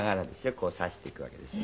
こう刺していくわけですね。